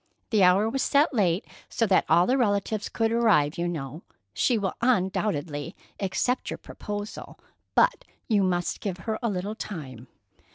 The hour was set late, so that all the relatives could arrive, you know. She will undoubtedly accept your proposal, but you must give her a little time."